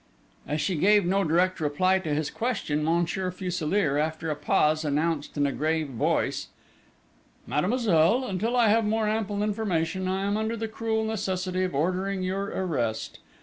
As she gave no direct reply to his question, Monsieur Fuselier, after a pause, announced in a grave voice: "Mademoiselle! Until I have more ample information, I am under the cruel necessity of ordering your arrest!...